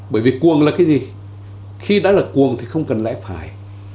bởi vì cuồng là cái gì khi đã là cuồng thì không cần lẽ phải